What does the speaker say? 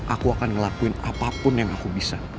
aku akan ngelakuin apapun yang aku bisa